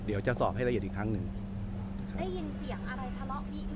เดี๋ยวจะสอบให้ละเอียดอีกครั้งหนึ่งได้ยินเสียงอะไรทะเลาะกัน